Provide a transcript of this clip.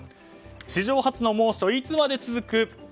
史上初の猛暑、いつまで続く。